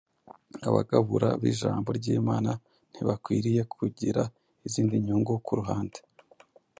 Abagabura b’ijambo ry’Imana ntibakwiriye kugira izindi nyungu ku ruhande.